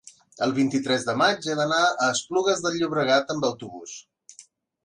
el vint-i-tres de maig he d'anar a Esplugues de Llobregat amb autobús.